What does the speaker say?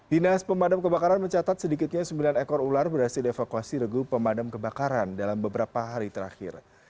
dinas pemadam kebakaran mencatat sedikitnya sembilan ekor ular berhasil dievakuasi regu pemadam kebakaran dalam beberapa hari terakhir